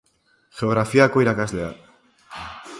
Geografiako irakaslea